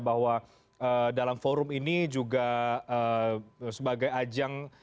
bahwa dalam forum ini juga sebagai ajang bagaimana kita bisa memperbaiki kesejahteraan di amerika serikat